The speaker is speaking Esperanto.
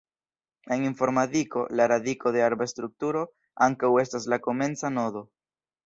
En informadiko, la radiko de arba strukturo ankaŭ estas la komenca nodo.